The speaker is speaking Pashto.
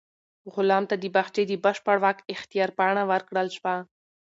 غلام ته د باغچې د بشپړ واک اختیار پاڼه ورکړل شوه.